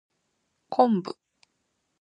昆布